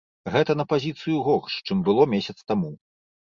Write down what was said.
Гэта на пазіцыю горш, чым было месяц таму.